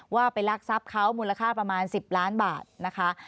ว่าไปรักทรัพย์เขามูลค่าประมาณ๑๐ล้านบาทนะคะ